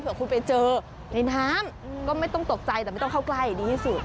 เพื่อคุณไปเจอในน้ำก็ไม่ต้องตกใจแต่ไม่ต้องเข้าใกล้ดีที่สุด